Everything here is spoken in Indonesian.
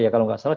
kalau nggak salah